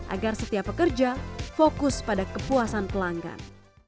agar setiap pekerja fokus pada kepuasan pelanggan